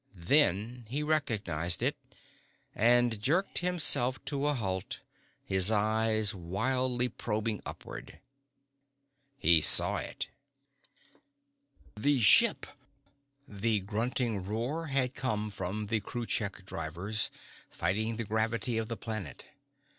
Then he recognized it. And jerked himself to a halt, his eyes wildly probing upward. He saw it. The ship. The grunting roar had come from the Kruchek drivers fighting the gravity of the planet.